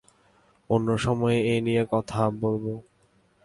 অন্য সময় এই নিয়ে কথা বলব।